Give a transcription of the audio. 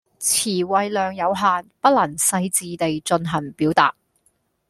辭彙量有限，不能細致地進行表達